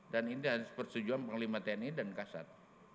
dan ini harus persetujuan panglima tni dan kasad